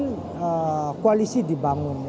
kawasan koalisi dibangun